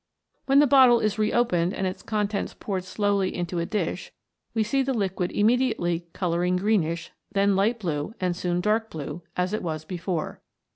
When the bottle is reopened and its con tents poured slowly out into a dish, we see the liquid immediately colouring greenish, then light blue, and soon dark blue, as it was before.